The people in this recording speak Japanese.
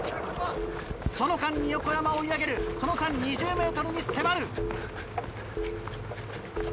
その間に横山追い上げるその差２０ｍに迫る。